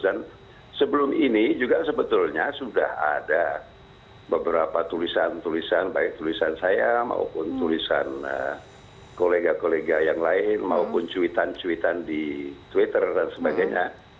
dan sebelum ini juga sebetulnya sudah ada beberapa tulisan tulisan baik tulisan saya maupun tulisan kolega kolega yang lain maupun cuitan cuitan di twitter dan sebagainya